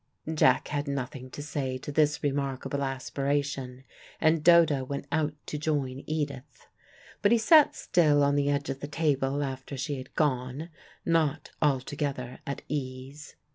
Jack had nothing to say to this remarkable aspiration, and Dodo went out to join Edith. But he sat still on the edge of the table after she had gone, not altogether at ease.